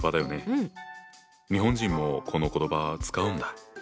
日本人もこの言葉使うんだ。